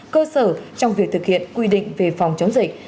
cơ sở trong việc thực hiện quy định về phòng chống dịch